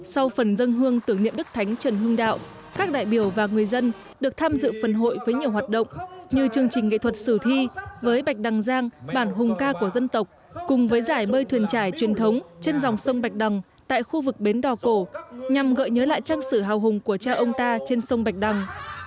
sau phần dân hương tưởng niệm đức thánh trần hưng đạo các đại biểu và người dân được tham dự phần hội với nhiều hoạt động như chương trình nghệ thuật sử thi với bạch đằng giang bản hùng ca của dân tộc cùng với giải bơi thuyền trải truyền thống trên dòng sông bạch đằng tại khu vực bến đỏ cổ nhằm gợi nhớ lại trang sử hào hùng của cha ông ta trên sông bạch đằng